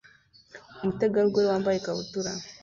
Umutegarugori wambaye ikabutura